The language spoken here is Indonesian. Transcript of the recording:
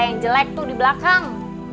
yang jelek tuh di belakang